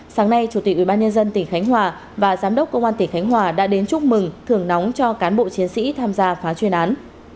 sáng nay chủ tịch ubnd tỉnh khánh hòa và giám đốc công an tỉnh khánh hòa đã đến chúc mừng thường nóng cho cán bộ chiến sĩ tham gia phá chuyên án